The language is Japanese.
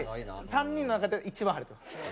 ３人の中で一番晴れてます。